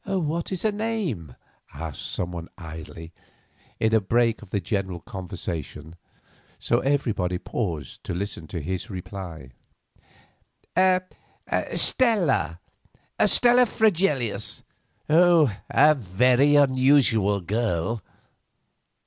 "What is her name?" asked someone idly, in a break of the general conversation, so that everybody paused to listen to his reply. "Stella—Stella Fregelius; a very unusual girl."